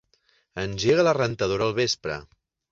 Engega la rentadora al vespre.